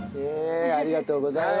ありがとうございます。